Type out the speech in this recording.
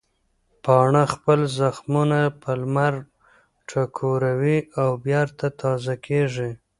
پاڼه خپل زخمونه په لمر ټکوروي او بېرته تازه کېږي.